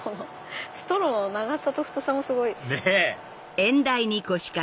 ストローの長さと太さもすごい。